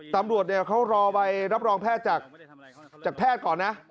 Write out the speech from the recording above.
ตำรวจเขารอใบรับรองแพทย์จากแพทย์ก่อนนะ